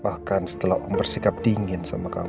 bahkan setelah om bersikap dingin sama kamu